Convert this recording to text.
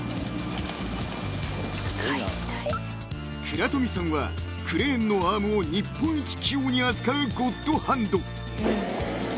［倉冨さんはクレーンのアームを日本一器用に扱うゴッドハンド］